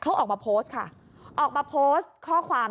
เขาออกมาโพสต์ค่ะออกมาโพสต์ข้อความ